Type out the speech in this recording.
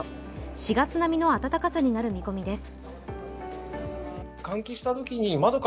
４月並みの暖かさになる見込みです